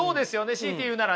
強いて言うならね。